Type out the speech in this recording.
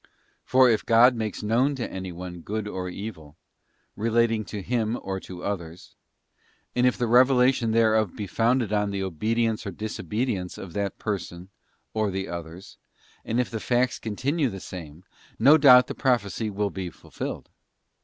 For if God makes known to anyone good or evil, relating to him or to others, and if the revelation thereof be founded on the obedience or disobedience of that person or the others, and if the facts continue the same, no doubt the prophecy will be fulfilled.